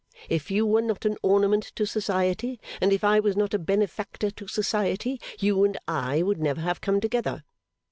If you were not an ornament to Society, and if I was not a benefactor to Society, you and I would never have come together.